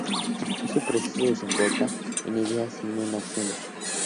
Es un proceso que desemboca no en ideas, sino en acciones.